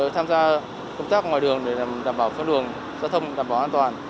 tham gia công tác ngoài đường để đảm bảo phương đường giao thông đảm bảo an toàn